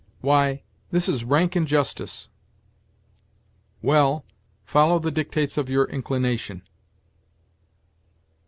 "Why, this is rank injustice." "Well, follow the dictates of your inclination."